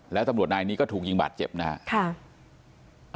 แล้วตำรวจนายนี้ก็ถูกยิงบาดเจ็บนะครับ